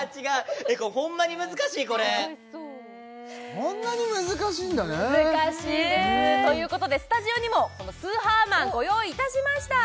そんなに難しいんだね難しいんですということでスタジオにもこのスーハーマンご用意いたしました